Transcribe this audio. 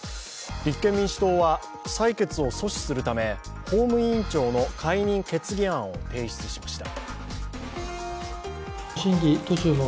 立憲民主党は採決を阻止するため法務委員長の解任決議案を提出しました。